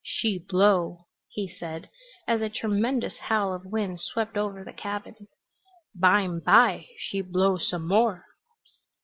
"She blow," he said, as a tremendous howl of wind swept over the cabin. "Bime by she blow some more!"